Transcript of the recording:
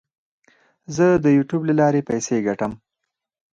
زه د یوټیوب له لارې پیسې ګټم.